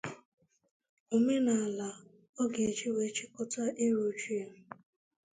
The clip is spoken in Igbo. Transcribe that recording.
omenala ọ ga-eji wee chịkọta iru uju ya